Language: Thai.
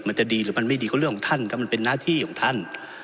มันจะดีหรือมันไม่ดีก็เรื่องของท่านก็มันเป็นหน้าที่ของท่าน